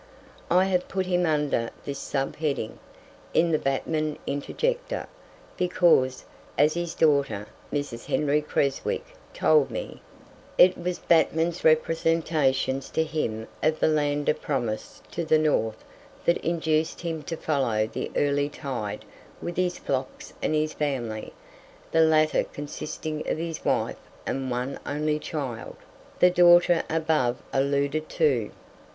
I have put him under this sub heading, in the Batman interjecta, because, as his daughter, Mrs. Henry Creswick, told me, it was Batman's representations to him of the land of promise to the north that induced him to follow the early tide with his flocks and his family the latter consisting of his wife and one only child, the daughter above alluded to.